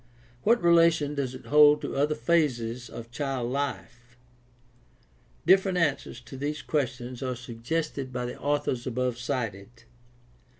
What relation does it hold to other phases of child life ? Different answers to these questions are suggested by the authors above cited.